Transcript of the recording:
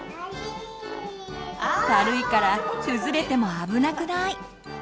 軽いから崩れても危なくない。